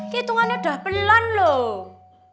hitungannya udah pelan loh